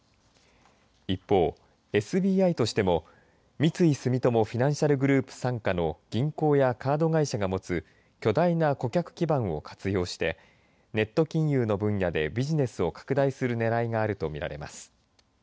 一方、ＳＢＩとしても三井住友フィナンシャルグループ傘下の銀行やカード会社が持つ巨大な顧客基盤を活用してネット金融の分野でビジネスを拡大するねらいがあると見られます。